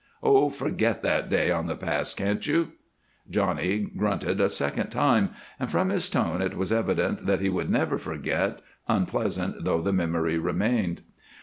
"Oh, forget that day on the pass, can't you?" Johnny grunted a second time, and from his tone it was evident that he would never forget, unpleasant though the memory remained.